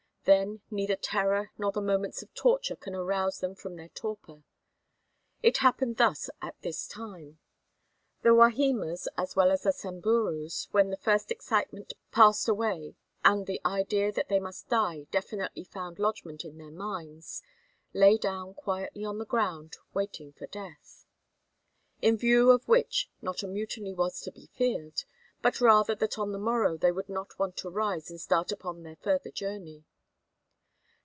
Then neither terror nor the moments of torture can arouse them from their torpor. It happened thus at this time. The Wahimas, as well as the Samburus, when the first excitement passed away and the idea that they must die definitely found lodgment in their minds, lay down quietly on the ground waiting for death; in view of which not a mutiny was to be feared, but rather that on the morrow they would not want to rise and start upon their further journey.